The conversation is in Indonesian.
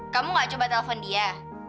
kamu gak coba telepon dia